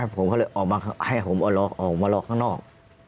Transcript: ผมก็เลยออกมาให้ผมออกมารอข้างนอก